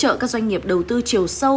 hỗ trợ các doanh nghiệp đầu tư chiều sâu